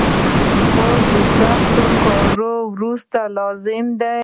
خوب د سخت کار وروسته لازم دی